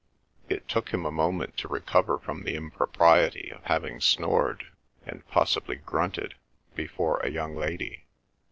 It took him a moment to recover from the impropriety of having snored, and possibly grunted, before a young lady.